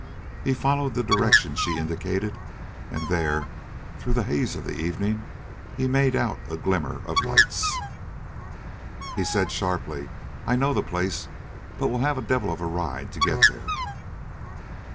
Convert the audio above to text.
He followed the direction she indicated, and there, through the haze of the evening, he made out a glimmer of lights. He said sharply: "I know the place, but we'll have a devil of a ride to get there."